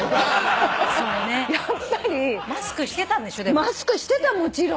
マスクしてたもちろん。